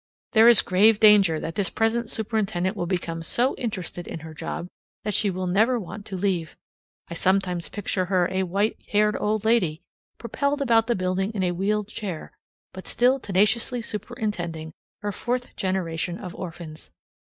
There is grave danger that this present superintendent will become so interested in her job that she will never want to leave. I sometimes picture her a white haired old lady, propelled about the building in a wheeled chair, but still tenaciously superintending her fourth generation of orphans.